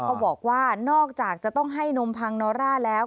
บอกว่านอกจากจะต้องให้นมพังนอร่าแล้ว